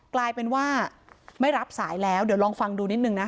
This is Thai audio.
กลายเป็นว่าไม่รับสายแล้วเดี๋ยวลองฟังดูนิดนึงนะคะ